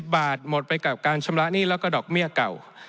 บาทหมดไปกับการชำระหนี้แล้วก็ดอกเบี้ยเก่า